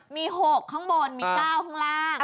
มี๖ข้างบนมี๙ข้างล่าง